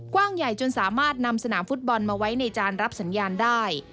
กว้างใหญ่จนสามารถนำสนามฟุตบอลมาไว้ในจานรับสัญญาณได้